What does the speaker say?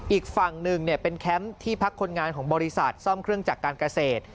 อีกฝั่งหนึ่งเป็นแคมป์ที่พักคนงานของบริษัทซ่อมเครื่องจักรการเกษตร